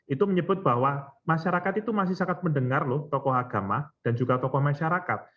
itu menyebut bahwa masyarakat itu masih sangat mendengar loh tokoh agama dan juga tokoh masyarakat